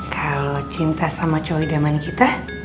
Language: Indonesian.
kalau cinta sama cowok daman kita